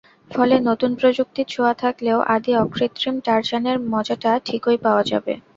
ফলে নতুন প্রযুক্তির ছোঁয়া থাকলেও আদি অকৃত্রিম টারজানের মজাটা ঠিকই পাওয়া যাবে।